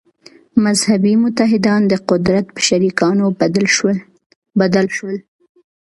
«مذهبي متحدان» د قدرت په شریکانو بدل شول.